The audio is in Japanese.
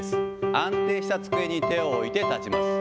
安定した机に手を置いて立ちます。